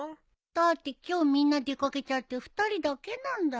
だって今日みんな出掛けちゃって２人だけなんだよ？